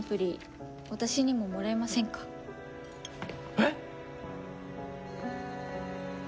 えっ！？